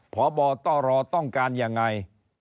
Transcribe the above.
พตลต้องการอย่างไร